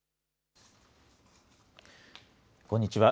こんにちは。